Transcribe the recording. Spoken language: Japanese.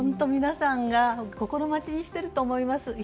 皆さんが心待ちにしてると思います。